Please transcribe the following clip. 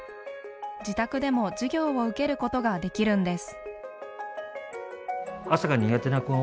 自宅でも授業を受けることができるんです。